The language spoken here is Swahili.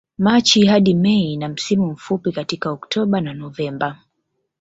Machi hadi Mei na msimu mfupi katika Oktoba na Novemba